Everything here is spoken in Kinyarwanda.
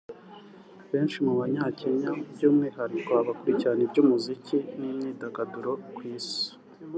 Benshi mu Banya-Kenya by’umwihariko abakurikirana iby’umuziki n’imyidagaduro ku Isi